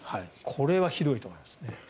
これはひどいと思いますね。